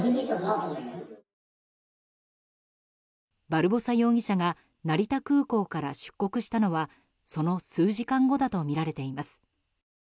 バルボサ容疑者が成田空港から出国したのはその数時間後だとみられています。